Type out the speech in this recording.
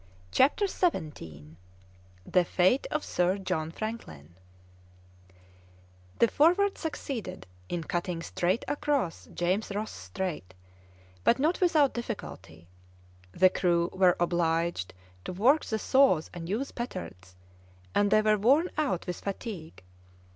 CHAPTER XVII THE FATE OF SIR JOHN FRANKLIN The Forward succeeded in cutting straight across James Ross Strait, but not without difficulty; the crew were obliged to work the saws and use petards, and they were worn out with fatigue.